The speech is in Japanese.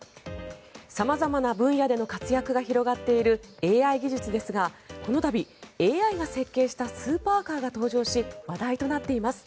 様々な分野での活躍が広がっているＡＩ技術ですがこの度、ＡＩが設計したスーパーカーが登場し話題となっています。